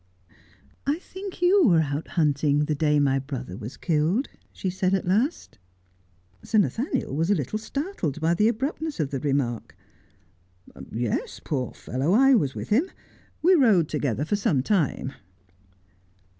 ' I think you were out hunting the day my brother was killed 1 ' she said at last. Sir Nathaniel was a little startled by the abruptness of the remark. ' Yes, poor fellow, I was with him. We rode together for some time.'